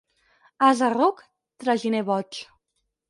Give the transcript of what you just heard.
Ase ruc, traginer boig.